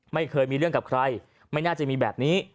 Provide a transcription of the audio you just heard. ไม่เคยมีเรื่องกับใครไม่น่าจะมีแบบนี้